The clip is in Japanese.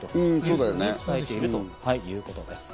そう伝えているということです。